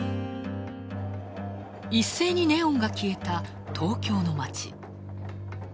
一斉にネオンが消えた東京の街。